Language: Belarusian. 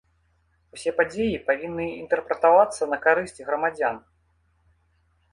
Усе падзеі павінны інтэрпрэтавацца на карысць грамадзян.